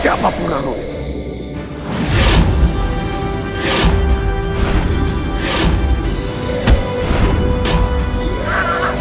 negara ini tak tahu namanya daftar minima